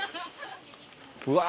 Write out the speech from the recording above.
うわ。